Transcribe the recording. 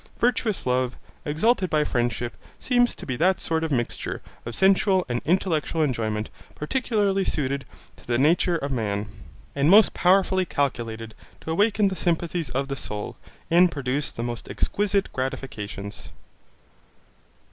Virtuous love, exalted by friendship, seems to be that sort of mixture of sensual and intellectual enjoyment particularly suited to the nature of man, and most powerfully calculated to awaken the sympathies of the soul, and produce the most exquisite gratifications.